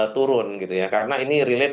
turun karena ini relate